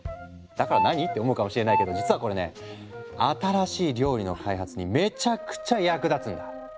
だから何？って思うかもしれないけど実はこれね新しい料理の開発にめちゃくちゃ役立つんだ。